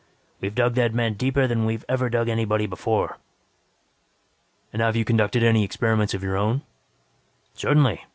We've dug that man deeper than we have ever dug anybody before." "And have you conducted any experiments of your own?" "Certainly.